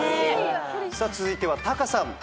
続いてはタカさん。